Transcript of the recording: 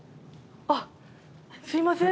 あ、すいません。